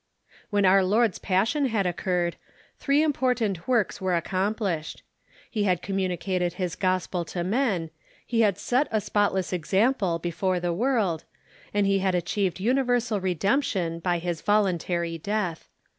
When our Lord's passion had occurred, three important works were accomplished. He had communicated his gospel to men, he had set a spotless example before the Completion of ^yorld, and he had achieved universal redemption Christ's Per sonai Ministry ^y l^is voluntary death.